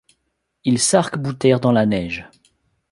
Ils s’arc-boutèrent dans la neige.